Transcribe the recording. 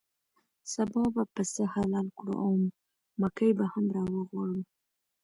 سبا به پسه حلال کړو او مکۍ به هم راوغواړو.